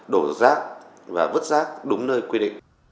đổ rác và vứt rác đúng nơi quy định